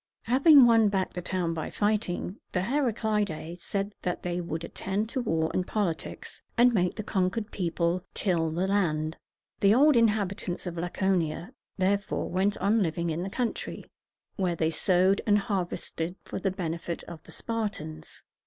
Having won back the town by fighting, the Heraclidæ said that they would attend to war and politics, and make the conquered people till the ground. The old inhabitants of Laconia, therefore, went on living in the country, where they sowed and harvested for the benefit of the Spartans.